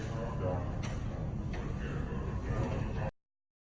สบายครับ